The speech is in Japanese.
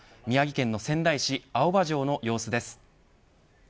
宮城県の仙台市青葉城の様子です。